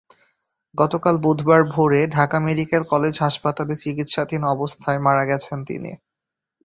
গতকাল বুধবার ভোরে ঢাকা মেডিকেল কলেজ হাসপাতালে চিকিৎসাধীন অবস্থায় মারা গেছেন তিনি।